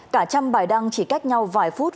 cả trăm bài đăng chỉ cách nhau vài phút